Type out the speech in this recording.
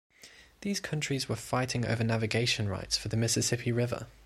These countries were fighting over navigation rights for the Mississippi River.